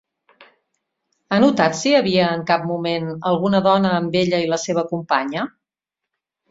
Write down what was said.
Ha notat si hi havia en cap moment alguna dona amb ella i la seva companya?